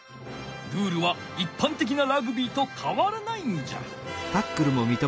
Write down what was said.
ルールはいっぱんてきなラグビーとかわらないんじゃ。